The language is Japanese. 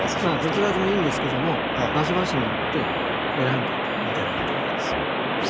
どちらでもいいんですけども場所場所によって選んでいただいたらいいんです。